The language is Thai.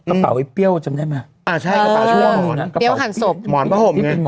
กระเป๋าไอ้เปี้ยวจำได้ไหม